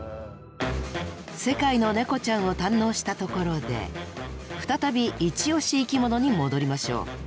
世界のネコちゃんを堪能したところで再び「イチ推し生きもの」に戻りましょう。